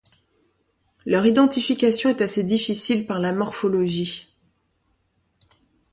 Leur identification est assez difficile par la morphologie.